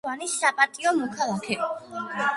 არის ქალაქ ვანის საპატიო მოქალაქე.